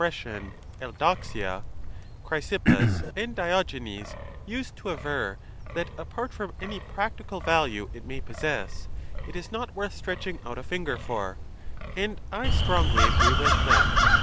pression etidoxirf) Chrysippus and Diogenes used to aver that, apart from any practical value it may possess, it is not worth stretching out a finger for ; and I strongly agree with them.